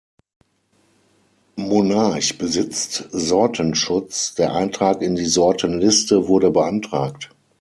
Monarch besitzt Sortenschutz, der Eintrag in die Sortenliste wurde beantragt.